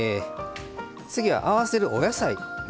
次は合わせるお野菜です。